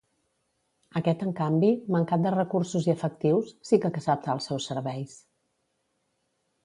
Aquest en canvi, mancat de recursos i efectius, sí que acceptà els seus serveis.